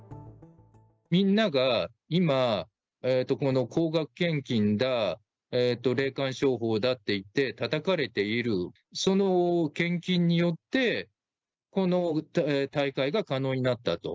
みんなが今、高額献金だ、霊感商法だっていってたたかれている、その献金によって、この大会が可能になったと。